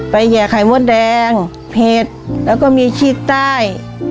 แห่ไข่มดแดงเผ็ดแล้วก็มีชีพใต้